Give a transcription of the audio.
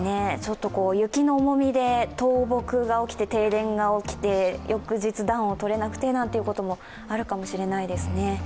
雪の重みで倒木が起きて、停電が起きて、翌日、暖を取れないこともあるかもしれないですね。